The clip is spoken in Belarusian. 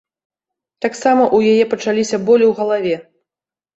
Таксама ў яе пачаліся болі ў галаве.